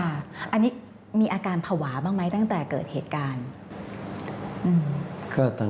อันนี้มีอาการภาวะบ้างไหมตั้งแต่เกิดเหตุการณ์